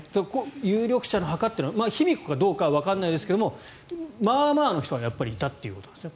有力者の墓というのは卑弥呼かどうかわからないですけどまあまあの人がいたということですね。